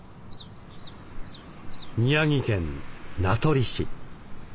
宮城県名取市。